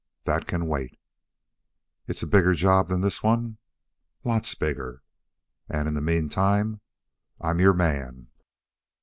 "That can wait." "It's a bigger job than this one?" "Lots bigger." "And in the meantime?" "I'm your man."